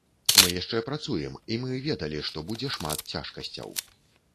Мы яшчэ працуем, і мы ведалі, што будзе шмат цяжкасцяў.